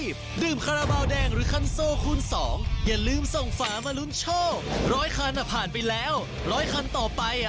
เบาแดงช่วยคนไทยสร้างอาชีพปี๒